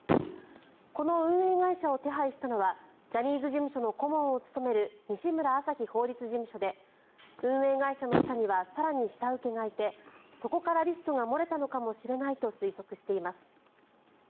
この運営会社を手配したのはジャニーズ事務所の顧問を務める西村あさひ法律事務所で運営会社の下には更に下請けがいてそこからリストが漏れたのかもしれないと推測しています。